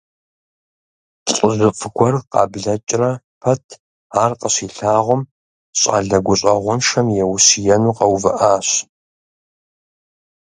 ЛӀыжьыфӀ гуэр, къыблэкӀрэ пэт ар къыщилъагъум, щӀалэ гущӀэгъуншэм еущиену къэувыӀащ.